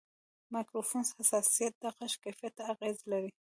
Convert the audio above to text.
د مایکروفون حساسیت د غږ کیفیت ته اغېز لري.